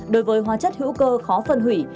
đối với hóa chất hữu cơ khó phân hủy